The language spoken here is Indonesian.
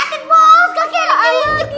tidak tidak tidak tidak